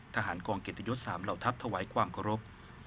ทหารกองเกษตรยศ๓เหล่าทัพถวายความขอบค์